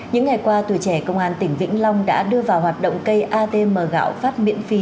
những ngày qua tuổi trẻ công an tỉnh vĩnh long đã đưa vào hoạt động cây atm gạo phát miễn phí